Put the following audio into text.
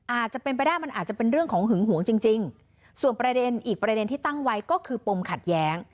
อาจจะเป็นไปได้มันอาจจะเป็นเรื่องของหึงหวงจริงจริงส่วนประเด็นอีกประเด็นที่ตั้งไว้ก็คือปมขัดแย้ง